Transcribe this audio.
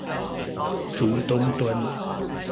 竹東端